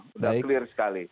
sudah clear sekali